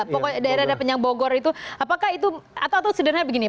pokoknya daerah daerah penyang bogor itu apakah itu atau sederhana begini